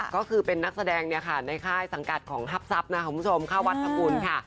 ก็คือเป็นนักแสดงในค่ายสังกัดของฮับทรัพย์ของคุณผู้ชมค่ะวัดภกุลค่ะ